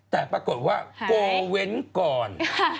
แต่ปรากฏว่าโกเว้นก่อน